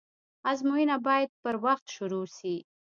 آزموينه بايد پر وخت شروع سي.